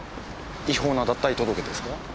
違法な脱退届ですか？